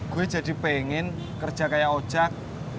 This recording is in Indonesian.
gue jadi pengen kerja kayak ojek